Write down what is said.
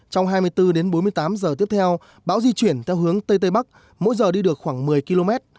trong hai mươi bốn đến bốn mươi tám giờ tiếp theo bão di chuyển theo hướng tây tây bắc mỗi giờ đi được khoảng một mươi km